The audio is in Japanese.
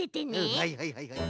はいはいはいはい。